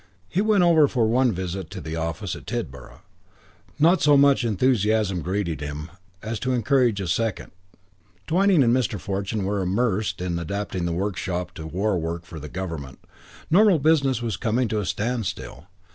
He went over for one visit to the office at Tidborough. Not so much enthusiasm greeted him as to encourage a second. Twyning and Mr. Fortune were immersed in adapting the workshops to war work for the Government. Normal business was coming to a standstill.